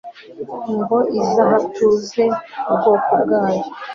ngo izahatuze ubwoko bwayo